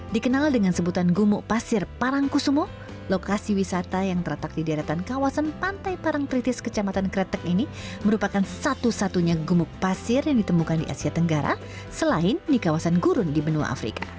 dikenal dengan sebutan gumuk pasir parangkusumo lokasi wisata yang terletak di deretan kawasan pantai parangtritis kecamatan kretek ini merupakan satu satunya gumuk pasir yang ditemukan di asia tenggara selain di kawasan gurun di benua afrika